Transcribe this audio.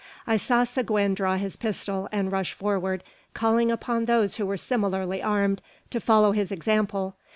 I saw Seguin draw his pistol, and rush forward, calling upon those who were similarly armed to follow his example.